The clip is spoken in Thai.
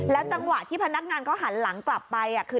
จังหวะที่พนักงานเขาหันหลังกลับไปคือ